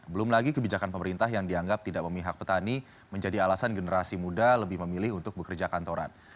belum lagi kebijakan pemerintah yang dianggap tidak memihak petani menjadi alasan generasi muda lebih memilih untuk bekerja kantoran